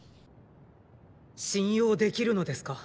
信用できるのですか？